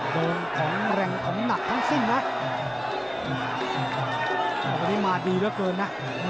ตรงของแหล่งหนักทั้งสิ้นล่ะ